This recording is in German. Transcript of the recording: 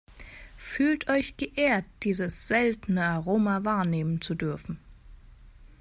Fühlt euch geehrt, dieses seltene Aroma wahrnehmen zu dürfen!